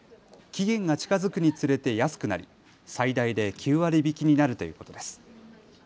期限が近づくにつれて安くなり最大で９割引きになるということです。